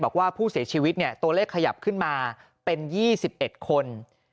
บอกว่าผู้เสียชีวิตตัวเลขขยับขึ้นมาเป็น๒๑คน